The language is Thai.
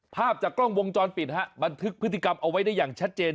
ภาพจากกล้องวงจรปิดฮะบันทึกพฤติกรรมเอาไว้ได้อย่างชัดเจน